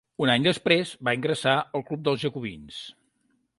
Un any després va ingressar al Club dels Jacobins.